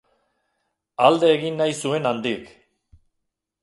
Alde egin nahi zuen handik.